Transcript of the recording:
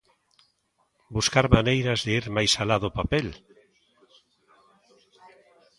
Buscar maneiras de ir máis alá do papel...